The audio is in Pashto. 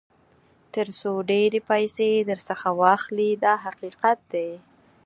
تر څو ډېرې پیسې درڅخه واخلي دا حقیقت دی.